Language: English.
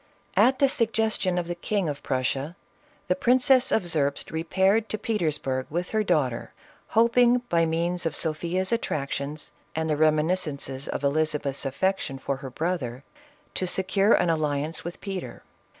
At the suggestion of the King of Prussia, the Prin cess of Zerbst repaired to Petersburg with her daugh ter, hoping by means of Sophia's attractions and the reminiscences of Elizabeth's affection for her brother, to secure an alliance with Peter.